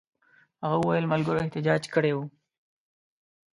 هغه وویل ملګرو احتجاج کړی وو.